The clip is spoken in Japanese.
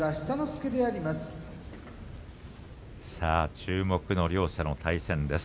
注目の両者の対戦です。